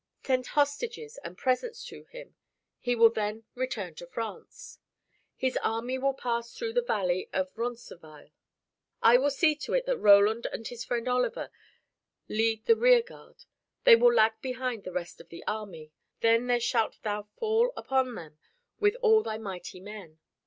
Send hostages and presents to him. He will then return to France. His army will pass through the valley of Roncesvalles. I will see to it that Roland and his friend Oliver lead the rear guard. They will lag behind the rest of the army, then there shalt thou fall upon them with all thy mighty men.